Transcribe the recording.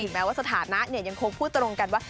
แม้ว่าสถานะยังคงพูดตรงกันว่า